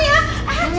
itu itu dari mana